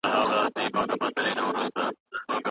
تاسو باید له خپل موبایل نه سمه استفاده وکړئ.